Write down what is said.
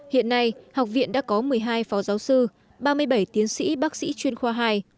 hiện nay học viện đã có một mươi hai phó giáo sư ba mươi bảy tiến sĩ bác sĩ chuyên khoa hai